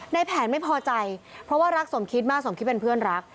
ในแผนไม่พอใจเพราะว่ารักสมคิดมากสมคิดเป็นเพื่อนรัก